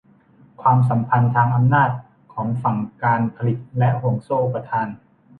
ความสัมพันธ์ทางอำนาจของฝั่งการผลิตและห่วงโซ่อุปทาน